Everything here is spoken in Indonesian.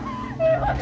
ibu tidakut ibu